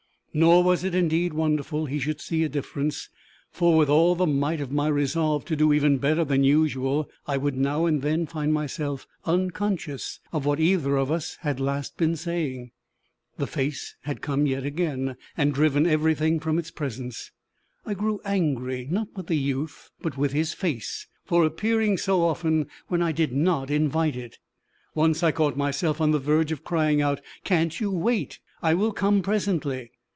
Nor was it indeed wonderful he should see a difference; for, with all the might of my resolve to do even better than usual, I would now and then find myself unconscious of what either of us had last been saying. The face had come yet again, and driven everything from its presence! I grew angry not with the youth, but with his face, for appearing so often when I did not invite it. Once I caught myself on the verge of crying out, "Can't you wait? I will come presently!"